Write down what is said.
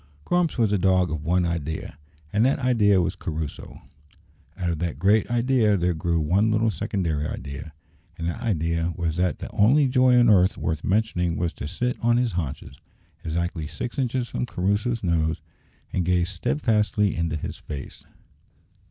Grumps was a dog of one idea, and that idea was Crusoe. Out of that great idea there grew one little secondary idea, and that idea was that the only joy on earth worth mentioning was to sit on his haunches, exactly six inches from Crusoe's nose, and gaze steadfastly into his face.